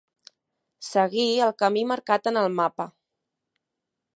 Seguir el camí marcat en el mapa.